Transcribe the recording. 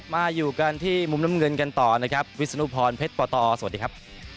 มาอยู่กันที่มุมน้ำเงินกันต่อนะครับวิศนุพรเพชรปตสวัสดีครับ